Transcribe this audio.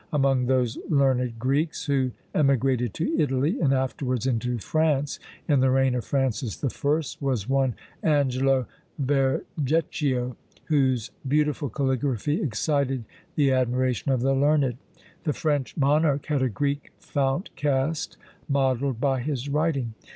Among those learned Greeks who emigrated to Italy, and afterwards into France, in the reign of Francis I., was one Angelo Vergecio, whose beautiful caligraphy excited the admiration of the learned. The French monarch had a Greek fount cast, modelled by his writing.